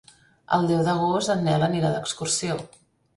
El deu d'agost en Nel anirà d'excursió.